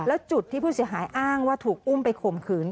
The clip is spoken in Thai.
แล้วจุดที่ผู้เสียหายอ้างว่าถูกอุ้มไปข่มขืน